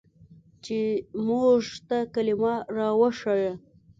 چې موږ ته کلمه راوښييه.